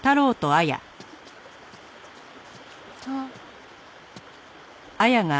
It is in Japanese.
あっ。